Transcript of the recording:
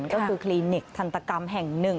ก็คือคลินิกทันตกรรมแห่งหนึ่ง